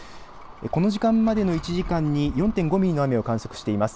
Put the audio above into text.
この時間までの１時間に４．５ミリの雨を観測しています。